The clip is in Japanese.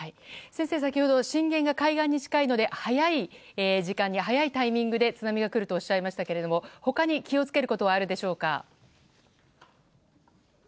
先生、先ほど震源が海岸に近いので早い時間に早いタイミングで津波がくるとおっしゃいましたけど他に気を付けることはあるでしょうか？